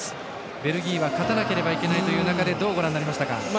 ベルギーは勝たなければいけない流れどうご覧になりましたか？